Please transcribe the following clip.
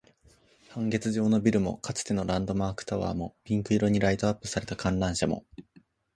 半月状のビルも、かつてのランドマークタワーも、ピンク色にライトアップされた観覧車も